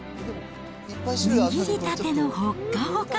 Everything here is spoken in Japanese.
握りたてのほっかほか。